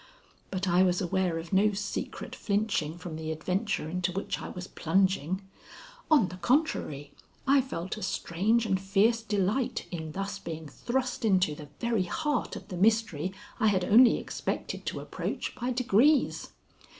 But I was aware of no secret flinching from the adventure into which I was plunging. On the contrary, I felt a strange and fierce delight in thus being thrust into the very heart of the mystery I had only expected to approach by degrees.